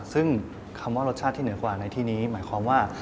ซึ่งคำว่ารสชาติที่เหนือกว่าในที่นี้หมายความว่า